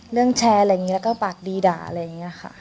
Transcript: แชร์อะไรอย่างนี้แล้วก็ปากดีด่าอะไรอย่างนี้ค่ะ